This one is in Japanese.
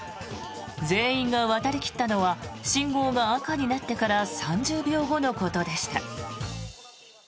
全員が渡り切ったのは信号が赤になってから３０秒後のことでした。